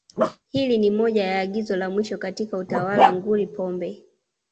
Hili ni moja ya agizo la mwisho katika utawala nguri Pombe